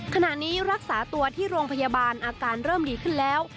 ขณะนี้รักษาตัวที่โรงพยาบาลอาการเริ่มดีขึ้นแล้ว